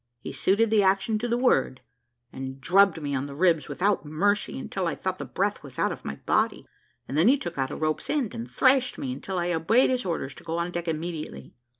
He suited the action to the word, and drubbed me on the ribs without mercy, until I thought the breath was out of my body, and then he took out a rope's end and thrashed me until I obeyed his orders to go on deck immediately.